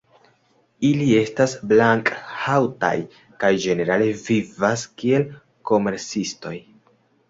Ili estas blank-haŭtaj kaj ĝenerale vivas kiel komercistoj.